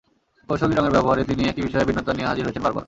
কৌশলী রঙের ব্যবহারে তিনি একই বিষয়ে ভিন্নতা নিয়ে হাজির হয়েছেন বারবার।